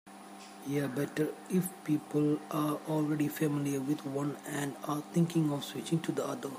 Yeah, better if people are already familiar with one and are thinking of switching to the other.